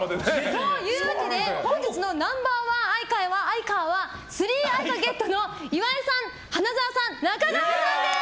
というわけで本日のナンバー１アイカーは３Ａｉｃａゲットの岩井さん、花澤さん中川さんです！